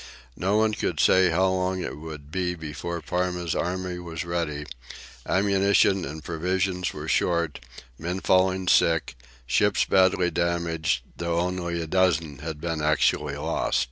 No one could say how long it would be before Parma's army was ready; ammunition and provisions were short, men falling sick, ships badly damaged, though only a dozen had been actually lost.